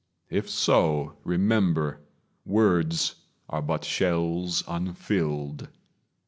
If so, remember Words are but shells unfilled.